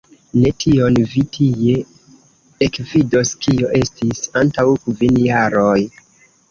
Ne tion vi tie ekvidos, kio estis antaŭ kvin jaroj!